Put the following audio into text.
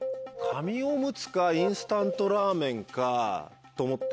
紙おむつかインスタントラーメンかと思ってんですよ。